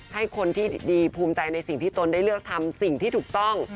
ให้คนที่ดีภูมิใจในสิ่งที่ตนได้เลือกทำสิ่งที่ถูกต้อง